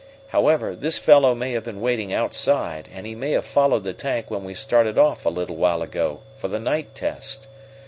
"However, this fellow may have been waiting outside, and he may have followed the tank when we started off a little while ago for the night test.